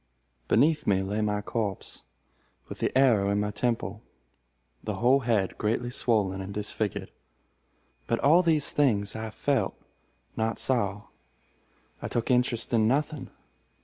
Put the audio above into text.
Beneath me lay my corpse, with the arrow in my temple, the whole head greatly swollen and disfigured. But all these things I felt—not saw. I took interest in nothing.